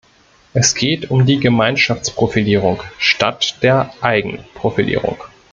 Es geht um die Gemeinschaftsprofilierung statt der Eigenprofilierung.